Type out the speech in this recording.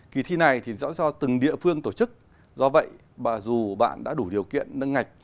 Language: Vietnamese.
kỳ thi này thì rõ ràng từng địa phương tổ chức do vậy dù bạn đã đủ điều kiện nâng ngạch